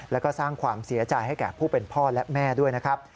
แล้วก็สร้างความเสียใจให้แก่ผู้เป็นพ่อและแม่ด้วยนะครับ